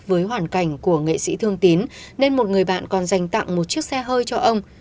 với hoàn cảnh của nghệ sĩ thương tín nên một người bạn còn dành tặng một chiếc xe hơi cho ông